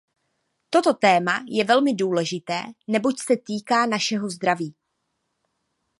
Toto téma je velmi důležité, neboť se týká našeho zdraví.